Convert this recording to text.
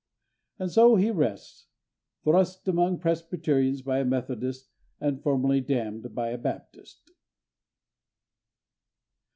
And so he rests: thrust among Presbyterians by a Methodist and formally damned by a Baptist.